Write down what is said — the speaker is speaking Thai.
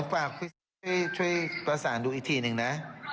ฝากพี่ช่วยประสานดูอีกทีหนึ่งนะ